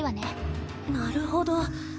なるほど。